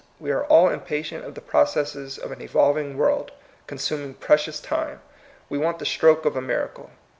We are all impatient of the processes of an evolving world, con suming precious time. We want the stroke of a miracle.